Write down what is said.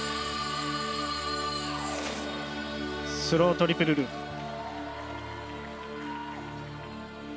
スロートリプルループ。